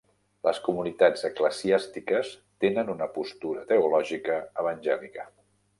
Les comunitats eclesiàstiques tenen una postura teològica evangèlica.